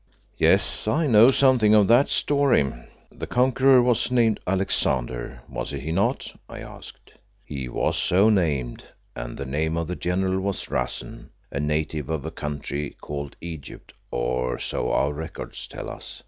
"Yes, I know something of that story; the conqueror was named Alexander, was he not?" I asked. "He was so named, and the name of the general was Rassen, a native of a country called Egypt, or so our records tell us.